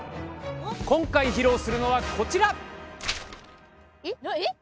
今回、披露するのはこちら！